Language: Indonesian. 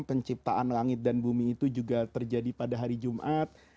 penciptaan langit dan bumi itu juga terjadi pada hari jumat